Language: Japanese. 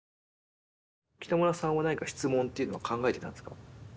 北村さんは何か質問っていうのは考えてたんですか？